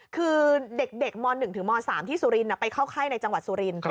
คือเด็กม๑ถึงม๓ที่สุรินทร์ไปเข้าค่ายในจังหวัดสุรินท